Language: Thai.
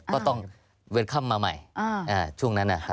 ก็ต้องเว้นค่ำมาใหม่ช่วงนั้นนะครับ